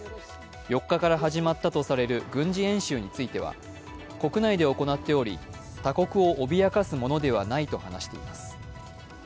４日から始まったとされる軍事演習については国内で行っており、他国を脅かすものではないと話しています。